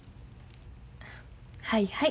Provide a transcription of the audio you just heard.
はいはい。